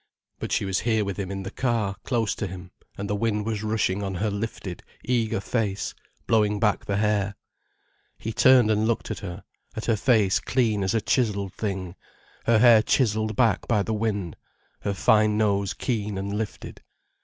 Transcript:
But she was here with him in the car, close to him, and the wind was rushing on her lifted, eager face, blowing back the hair. He turned and looked at her, at her face clean as a chiselled thing, her hair chiselled back by the wind, her fine nose keen and lifted.